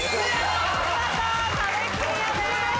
見事壁クリアです